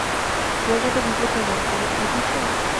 জায়গাটা বিপজ্জনক, বুঝেছ?